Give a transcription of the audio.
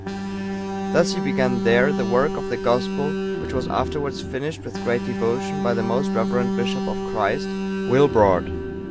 Thus he began there the work of the Gospel which was afterwards finished with great devotion by the most reverend bishop of Christ, Wilbrord.